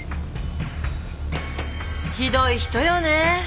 ひどい人よね